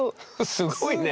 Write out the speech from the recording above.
すごいね。